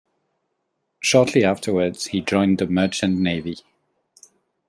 Shortly afterwards he joined the Merchant Navy.